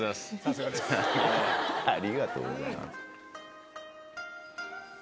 「ありがとうございます」。